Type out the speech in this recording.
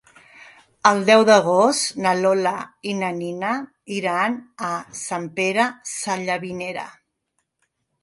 El deu d'agost na Lola i na Nina iran a Sant Pere Sallavinera.